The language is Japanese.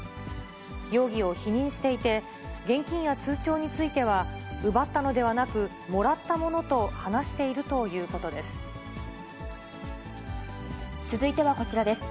容疑を否認していて、現金や通帳については、奪ったのではなく、もらったものと話しているということです。